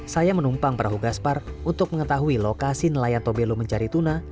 saya menumpang perahu gaspar untuk mengetahui lokasi nelayan tobelo mencari tuna